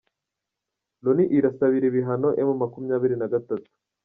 Loni irasabira ibihano M makumyabiri nagatatu